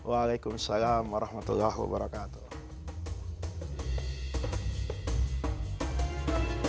waalaikumsalam warahmatullahi wabarakatuh